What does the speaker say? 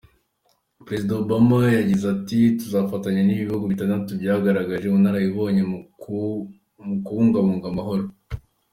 Perezida Obama yagize ati “Tuzafatanya n’ibi bihugu bitandatu byagaragaje ubunararibonye mu kubungabunga amahoro.